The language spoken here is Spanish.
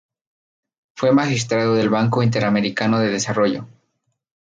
Fue magistrado del Banco Interamericano de Desarrollo.